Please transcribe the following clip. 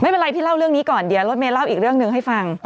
ไม่เป็นไรพี่เล่าเรื่องนี้ก่อนเดี๋ยวรถเมย์เล่าอีกเรื่องหนึ่งให้ฟัง